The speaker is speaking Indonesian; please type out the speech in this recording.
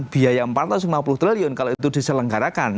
biaya empat ratus lima puluh triliun kalau itu diselenggarakan